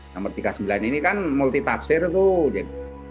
nomor tiga puluh sembilan ini kan multitafsir tuh